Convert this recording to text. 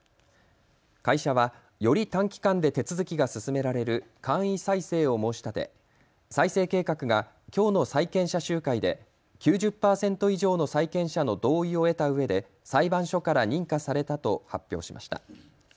会社はより短期間で手続きが進められる簡易再生を申し立て再生計画がきょうの債権者集会で９０％以上の債権者の同意を得たうえで裁判所から認可されたと発表しました。